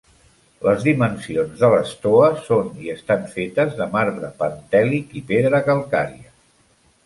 Les dimensions de l'estoa són i estan fetes de marbre pentèlic i pedra calcària.